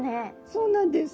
そうなんです。